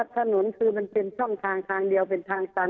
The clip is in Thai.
ถนนคือมันเป็นช่องทางทางเดียวเป็นทางตัน